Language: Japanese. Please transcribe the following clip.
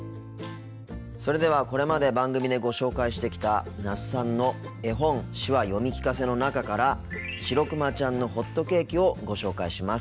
それではこれまで番組でご紹介してきた那須さんの「絵本手話読み聞かせ」の中から「しろくまちゃんのほっとけーき」をご紹介します。